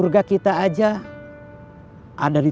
bikin aku binar kayanya pemain waktu hari